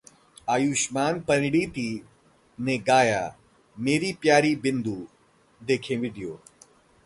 आयुष्मान-परिणीति ने गाया 'मेरी प्यारी बिंदु', देखें वीडियो